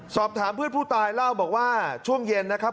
สอบถามเพื่อนผู้ตายเล่าบอกว่าช่วงเย็นนะครับ